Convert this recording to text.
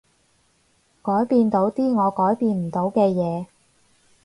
改變到啲我改變唔到嘅嘢